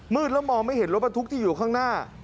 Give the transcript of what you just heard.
แล้วมองไม่เห็นรถบรรทุกที่อยู่ข้างหน้า